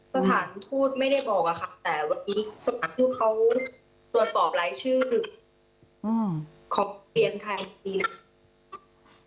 สถานทูตไม่ได้บอกอะค่ะแต่วันนี้สถานทูตเขาตรวจสอบรายชื่อขอเปลี่ยนทางอีกทีหนึ่ง